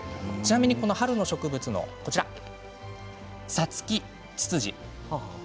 この春の植物のサツキツツジ。